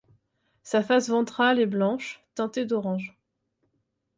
Sa face ventrale est blanche teintée d'orange.